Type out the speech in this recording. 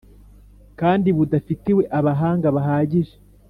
kandi budafitiwe abahanga bahagije